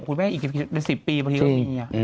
คุณไม่ให้อีก๑๐ปีพอทีก็เป็นอย่างนี้